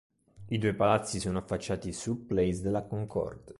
I due palazzi sono affacciati su Place de la Concorde.